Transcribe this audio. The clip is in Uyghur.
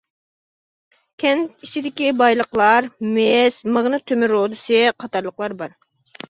كەنت ئىچىدىكى بايلىقلار مىس، ماگنىت تۆمۈر رۇدىسى قاتارلىقلار بار.